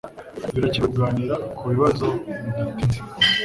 Birakenewe kuganira kukibazo bidatinze